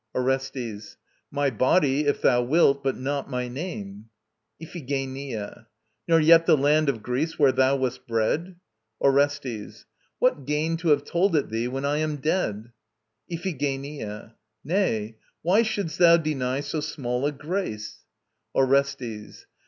ORESTES. My body, if thou wilt, but not my name. IPHIGENIA. Nor yet the land of Greece where thou wast bred? ORESTES. What gain to have told it thee, when I am dead? IPHIGENIA. Nay: why shouldst thou deny so small a grace? ORESTES.